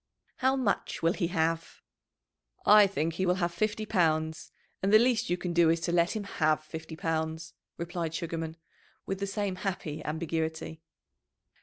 "How much will he have?" "I think he will have fifty pounds; and the least you can do is to let him have fifty pounds," replied Sugarman, with the same happy ambiguity.